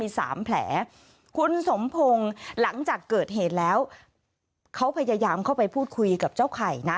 สามแผลคุณสมพงศ์หลังจากเกิดเหตุแล้วเขาพยายามเข้าไปพูดคุยกับเจ้าไข่นะ